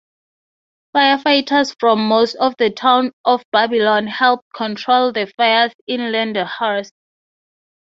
Firefighters from most of the Town of Babylon helped control the fires in Lindenhurst.